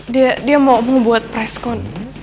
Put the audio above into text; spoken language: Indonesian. dia dia mau ngobrol buat preskon